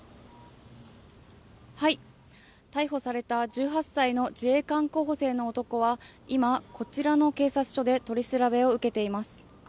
逮捕された１８歳の自衛官候補生の男は今、こちらの警察署で取り調べを受けています。